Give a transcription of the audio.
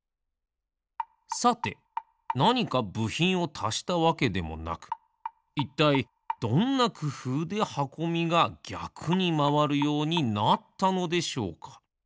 さてなにかぶひんをたしたわけでもなくいったいどんなくふうではこみがぎゃくにまわるようになったのでしょうか？